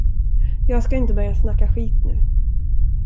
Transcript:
Jag ska inte börja snacka skit nu.